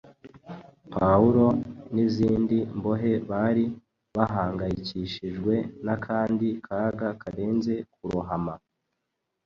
Pawulo n’izindi mbohe bari bahangayikishijwe n’akandi kaga karenze kurohama.